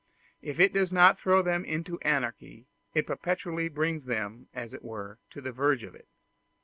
If it does not throw them into anarchy, it perpetually brings them, as it were, to the verge of it."